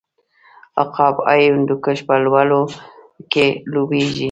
عقاب های هندوکش په لوړو کې لوبیږي.